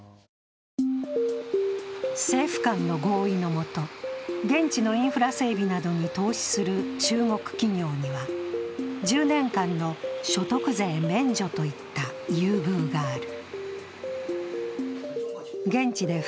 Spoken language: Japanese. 政府間の合意のもと、現地のインフラ整備などに投資する中国企業には、１０年間の所得税免除といった優遇がある。